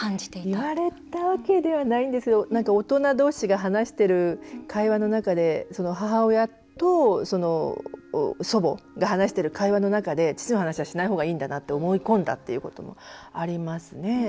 言われたわけではないんですけど大人同士が話してる会話の中で母親と祖母が話している会話の中で父の話はしない方がいいんだなって思い込んだっていうこともありますね。